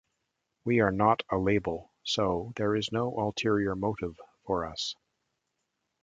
We are not a label, so there's no ulterior motive for us.